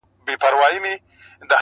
د اوښ بـارونـه پـــه واوښـتـل~